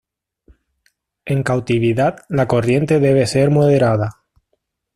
En cautividad, la corriente debe ser moderada.